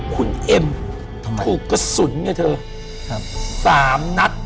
คุณเอ็มถูกกระสุนไงเธอ๓นัด